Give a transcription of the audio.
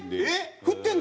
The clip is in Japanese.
えっ！